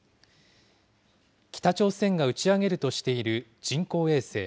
北朝鮮が打ち上げるとしている人工衛星。